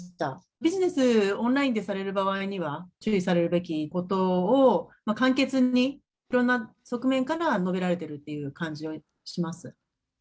ビジネスをオンラインでされる場合には、注意されるべきことを、簡潔に、いろんな側面から述べられているという感じがします。